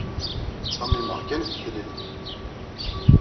Ttxemmimeɣ kan ɣef Tlelli.